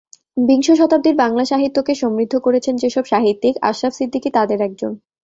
বিংশ শতাব্দীর বাংলা সাহিত্যকে সমৃদ্ধ করেছেন যেসব সাহিত্যিক, আশরাফ সিদ্দিকী তাদের একজন।